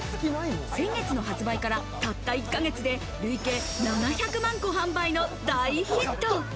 先月の発売から、たった１ヶ月で累計７００万個販売の大ヒット。